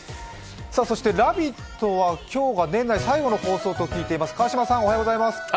「ラヴィット！」は今日が年内最後の放送と聞いています。